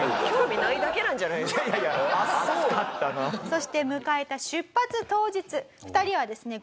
そして迎えた出発当日２人はですね